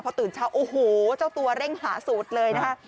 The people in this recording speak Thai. พอตื่นเช้าโอ้โหเจ้าตัวเร่งหาสูตรเลยนะคะ